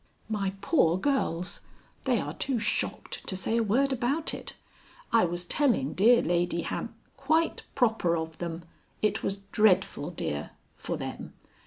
"My poor girls! They are too shocked to say a word about it. I was telling dear Lady Ham " "Quite proper of them. It was dreadful, dear. For them."